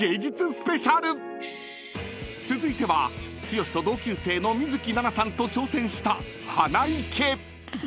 ［続いては剛と同級生の水樹奈々さんと挑戦した花いけ］